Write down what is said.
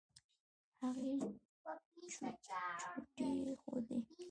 هغې چوټې ښودې.